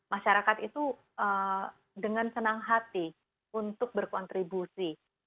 masyarakat itu dengan senang hati untuk berkontribusi